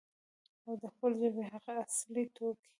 او د خپلې ژبې هغه اصلي توکي،